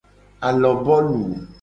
Alobolu.